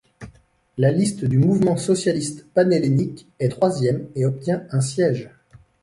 La liste du Mouvement socialiste panhellénique est troisième et obtient un siège.